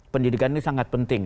pendidikan ini sangat penting